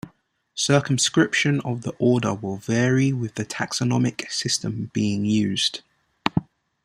Circumscription of the order will vary with the taxonomic system being used.